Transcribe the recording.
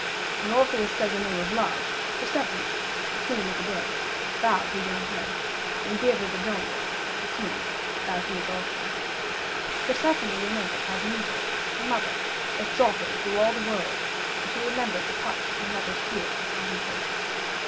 When Orpheus said the name of Love, Persephone, the queen of the dead, bowed her young head, and bearded Aidoneus, the king, bowed his head also. Persephone remembered how Demeter, her mother, had sought her all through the world, and she remembered the touch of her mother's tears upon her face.